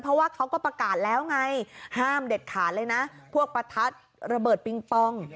เพราะว่าเขาก็ประกาศแล้วไงห้ามเด็ดขาดเลยนะพวกประทัดระเบิดปิงปอง